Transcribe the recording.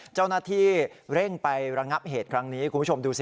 เจ้านาธิเร่งไประงับเหตุครั้งนี้ดูสิ